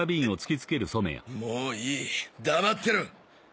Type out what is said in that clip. もういい黙ってろ！